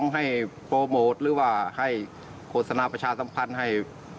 หรือว่าให้โฆษณาประชาสัมพันธ์ให้